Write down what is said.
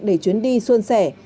để chuyến đi xuân xẻ